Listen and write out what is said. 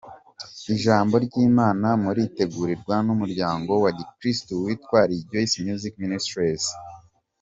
Ijambo ry’Imana muritegurirwa n’umuryango wa Gikristu witwa Rejoice Music Ministries.